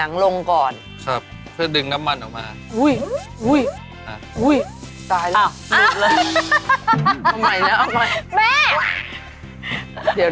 อู๋น้องต้องกลับยังไงอันเนี้ย